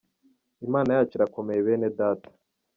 Imana yacu irakomeye bene Data!.